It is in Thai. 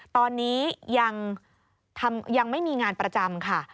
ตอนนี้ยังไม่มีงานประจำค่ะ